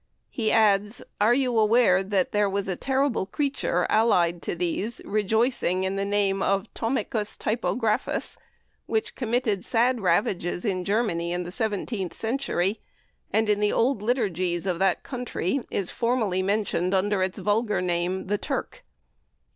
He adds, "Are you aware that there was a terrible creature allied to these, rejoicing in the name of Tomicus Typographus, which committed sad ravages in Germany in the seventeenth century, and in the old liturgies of that country is formally mentioned under its vulgar name, 'The Turk'?"